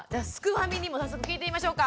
ファミにも早速聞いてみましょうか。